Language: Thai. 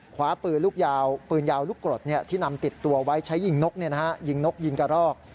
ขวาปืนยาวลูกกรดที่นำติดตัวไว้ใช้ยิงนกยิงกระรอก